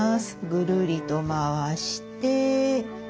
ぐるりと回して。